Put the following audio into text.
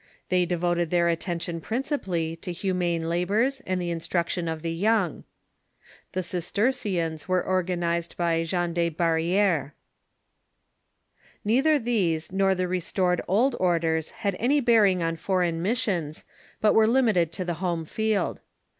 They devoted their attention principal ly to humane labors and the instruction of the young. The Cistercians were reorganized by Jean de Barriere. Neither these nor the restored old orders liad any bearing on foreign missions, but were limited to the home field.